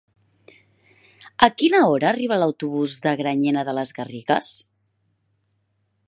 A quina hora arriba l'autobús de Granyena de les Garrigues?